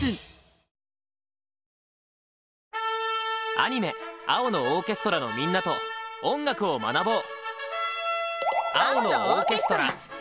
アニメ「青のオーケストラ」のみんなと音楽を学ぼう！